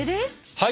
はい！